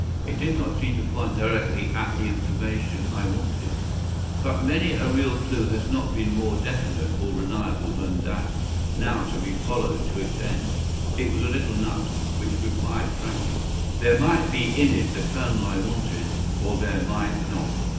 It did not seem to point directly at the information I wanted, but many a real clue has not been more definite or reliable than that now to be followed to its end. It was a little nut, which required cracking. There might be in it the kernel I wanted, or there might not.